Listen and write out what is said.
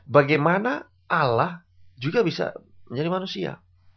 bagaimana allah juga bisa menjadi manusia